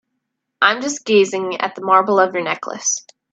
I'm just gazing at the marble of your necklace.